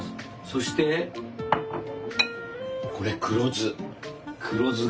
そしてこれ黒酢。